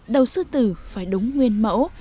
đầu sư tử phải đúng nguyên mẫu